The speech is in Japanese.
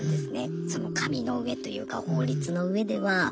紙の上というか法律の上では。